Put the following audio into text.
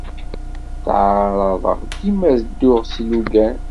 Ttɛaraḍeɣ dima ad dduɣ s ilugan.